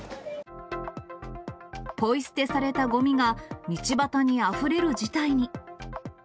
ぽい捨てされたごみが道端にあふれる事態に。